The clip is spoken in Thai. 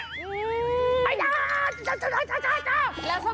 แล้วสักหน่อยปุ๊บข้าวเท้า